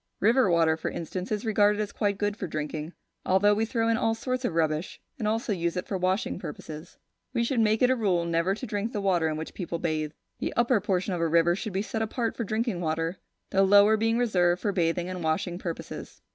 River water, for instance, is regarded as quite good for drinking, although we throw into it all sorts of rubbish, and also use it for washing purposes. We should make it a rule never to drink the water in which people bathe. The upper portion of a river should be set apart for drinking water, the lower being reserved for bathing and washing purposes.